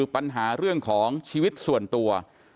ปัญหาเรื่องของชีวิตส่วนตัว